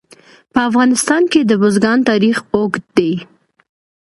په افغانستان کې د بزګان تاریخ اوږد دی.